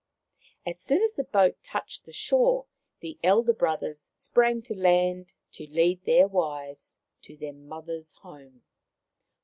As soon as the boat touched the shore the elder brothers sprang to land to lead their wives to their mother's home.